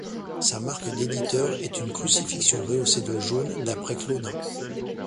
Sa marque d'éditeur est une crucifixion rehaussée de jaune, d'après Claudin.